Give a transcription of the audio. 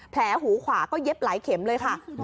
แผลหูขวาก็เย็บหลายเข็มเลยค่ะ